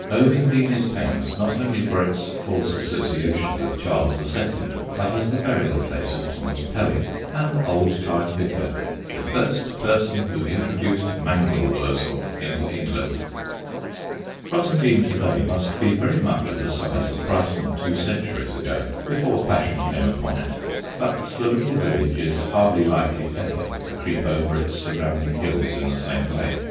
Ovingdean is famous not only for its false association with Charles the Second but as the burial place of Thomas Pelling, an old time Vicar, "the first person who introduced Mangul Wurzel into England." [Sidenote: ROTTINGDEAN] Rottingdean to day must be very much of the size of Brighton two centuries ago, before fashion came upon it; but the little village is hardly likely ever to creep over its surrounding hills in the same way.